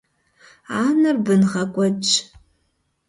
Анэр бын гъэкӀуэдщ.